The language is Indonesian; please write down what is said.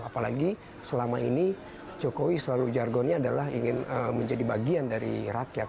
apalagi selama ini jokowi selalu jargonnya adalah ingin menjadi bagian dari rakyat